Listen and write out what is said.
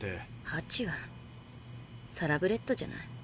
ハチはサラブレッドじゃない。